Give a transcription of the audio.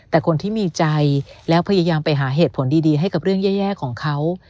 แต่คนที่มีใจแล้วพยายามไปหาเหตุผลดีให้กับเรื่องแย่ของเขา